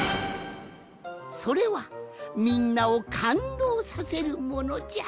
それはみんなをかんどうさせるものじゃ。